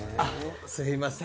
すいません